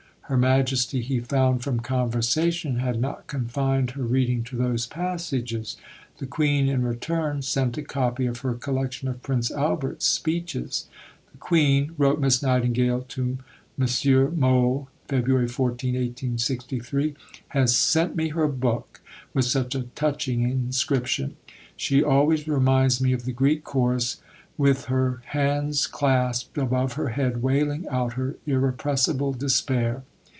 Her Majesty, he found from conversation, had not confined her reading to those passages. The Queen in return sent a copy of her Collection of Prince Albert's Speeches. "The Queen," wrote Miss Nightingale to M. Mohl (Feb. 14, 1863), "has sent me her book with such a touching inscription. She always reminds me of the Greek chorus with her hands clasped above her head wailing out her irrepressible despair."